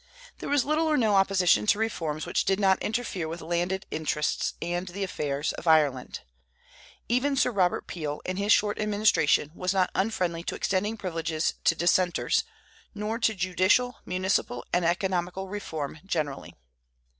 There was little or no opposition to reforms which did not interfere with landed interests and the affairs of Ireland. Even Sir Robert Peel, in his short administration, was not unfriendly to extending privileges to Dissenters, nor to judicial, municipal, and economical reform generally.